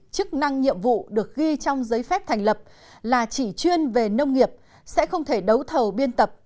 chức năng nhiệm vụ được ghi trong giấy phép thành lập là chỉ chuyên về nông nghiệp sẽ không thể đấu thầu biên tập